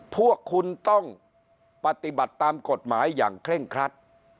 พวกคุณต้องปฏิบัติตามกฎหมายอย่างเคร่งครัด